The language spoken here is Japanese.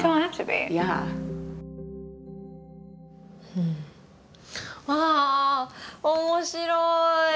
うんあ面白い。